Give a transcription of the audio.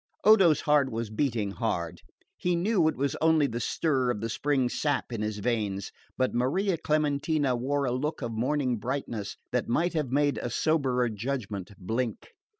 Odo's heart was beating hard. He knew it was only the stir of the spring sap in his veins, but Maria Clementina wore a look of morning brightness that might have made a soberer judgment blink.